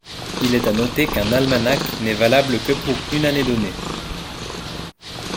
Il est à noter qu'un almanach n'est valable que pour une année donnée.